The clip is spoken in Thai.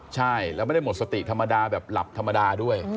ใช่แล้วไม่ได้หมดสติธรรมดาแบบหลับธรรมดาด้วย